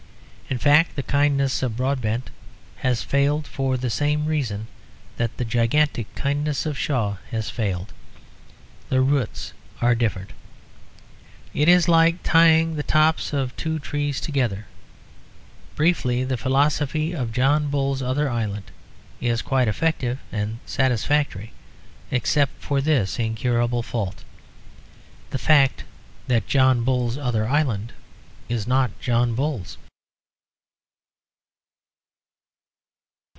In fact the kindness of Broadbent has failed for the same reason that the gigantic kindness of Shaw has failed. The roots are different; it is like tying the tops of two trees together. Briefly, the philosophy of John Bull's Other Island is quite effective and satisfactory except for this incurable fault: the fact that John Bull's other island is not John Bull's.